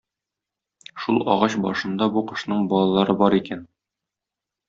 Шул агач башында бу кошның балалары бар икән.